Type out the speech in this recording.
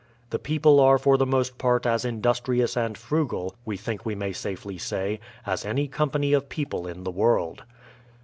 The people are for the most part as industrious and frugal, we think we may safely say, as any company of people in the world.